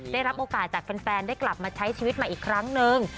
ได้รับโอกาสจากแฟนได้กลับมาใช้ชีวิตใหม่อีกครั้งนึง